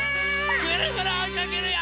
ぐるぐるおいかけるよ！